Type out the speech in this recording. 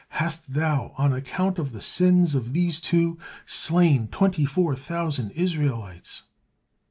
Hast Thou on account of the sins of these two slain twenty four thousand Israelites!"